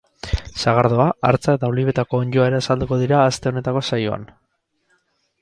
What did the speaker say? Sagardoa, hartza eta olibetako onddoa ere azalduko dira aste honetako saioan.